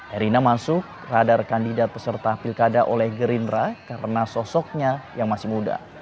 erina masuk radar kandidat peserta pilkada oleh gerindra karena sosoknya yang masih muda